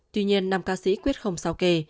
tuy nhiên nàm ca sĩ quyết không sao kề